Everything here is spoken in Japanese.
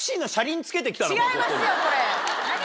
違いますよこれ。